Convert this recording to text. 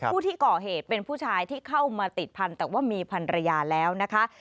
ผู้ที่ก่อเหตุเป็นผู้ชายที่เข้ามาติดพันธุ์แต่ว่ามีพันรยาแล้วนะคะ